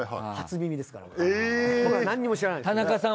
僕はなんにも知らないですもん。